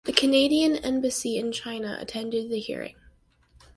The Canadian Embassy in China attended the hearing.